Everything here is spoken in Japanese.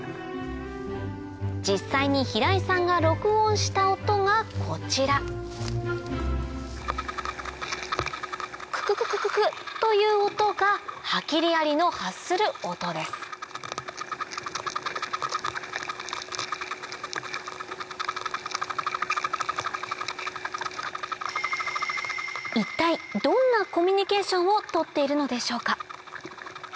実際に平井さんが録音した音がこちら「ククク」という音がハキリアリの発する音です一体を取っているのでしょうか